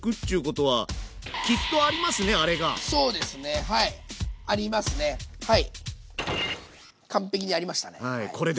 はい。